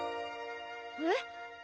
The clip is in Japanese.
えっ？